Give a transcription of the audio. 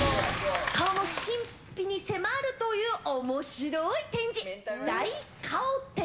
顔の神秘に迫るというおもしろい展示。